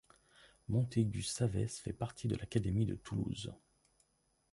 Montégut-Savès fait partie de l'académie de Toulouse.